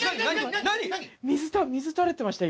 水垂れてました